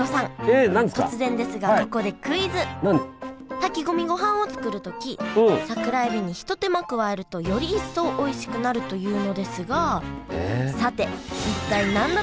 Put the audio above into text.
炊き込みごはんを作る時桜えびにひと手間加えるとより一層おいしくなるというのですがさて一体何だと思いますか？